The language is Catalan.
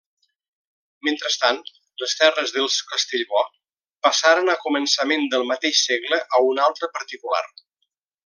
Mentrestant, les terres dels Castellbò passaren a començaments del mateix segle a un altre particular.